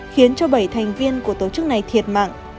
khiến bảy thành viên của tổ chức này thiệt mạng